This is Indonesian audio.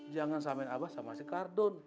jangan sampai abah sama si kardon